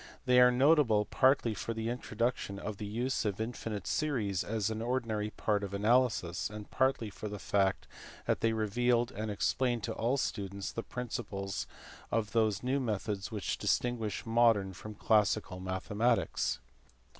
They are notable partly for the introduction of the use of infinite series as an ordinary part of analysis, and partly for the fact that they revealed and explained to all students the principles of those new methods which distinguish modern from classical mathematics.